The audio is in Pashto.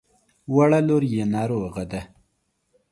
وړه لور يې ناروغه ده.